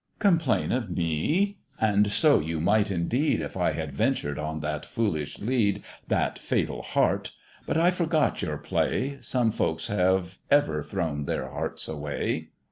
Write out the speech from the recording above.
"Complain of me! and so you might indeed If I had ventured on that foolish lead, That fatal heart but I forgot your play Some folk have ever thrown their hearts away."